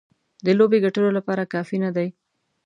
د لوبې ګټلو لپاره کافي نه دي.